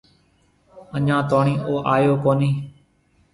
اَڃون توڻِي او آئيو ڪونھيَََ۔